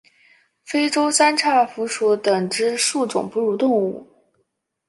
非洲三叉蝠属等之数种哺乳动物。